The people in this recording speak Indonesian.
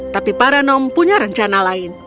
tapi para nom punya rencana lain